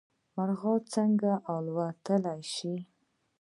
مرغان څنګه الوتلی شي؟